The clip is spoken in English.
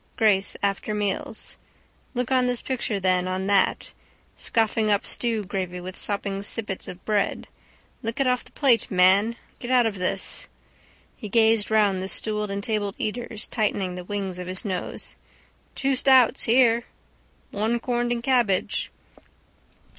Grace after meals. Look on this picture then on that. Scoffing up stewgravy with sopping sippets of bread. Lick it off the plate, man! Get out of this. He gazed round the stooled and tabled eaters, tightening the wings of his nose. —Two stouts here. —One corned and cabbage.